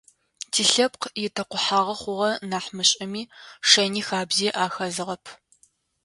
Тилъэпкъ итэкъухьагъэ хъугъэ нахь мышӏэми, шэни хабзи ахэзыгъэп.